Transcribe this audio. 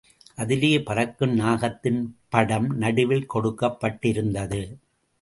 அதிலே பறக்கும் நாகத்தின் படம் நடுவில் கொடுக்கப்பட்டிருந்தது.